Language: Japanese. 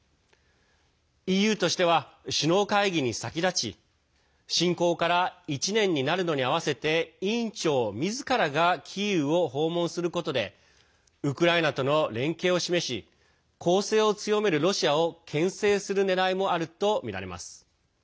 ＥＵとしては、首脳会議に先立ち侵攻から１年になるのに合わせて委員長みずからがキーウを訪問することでウクライナとの連携を示し攻勢を強めるロシアをけん制するねらいもあるとみられます。